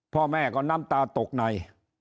พ่อแม่ก็น้ำตาตกใน